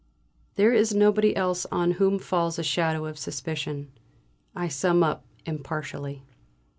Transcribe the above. There is nobody else on whom falls a shadow of suspicion. I sum up impartially.